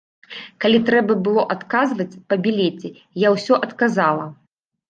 Калі трэба было адказваць па білеце, я ўсё адказала.